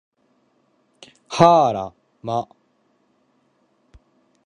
はあら、ま